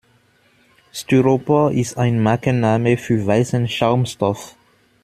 Styropor ist ein Markenname für weißen Schaumstoff.